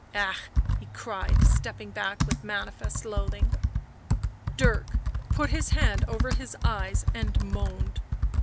"Ah!" he cried, stepping back with manifest loathing. Dirk put his hand over his eyes and moaned.